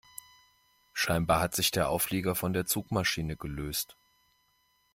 Scheinbar hat sich der Auflieger von der Zugmaschine gelöst.